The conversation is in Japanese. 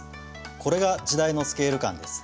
これが時代のスケール感です。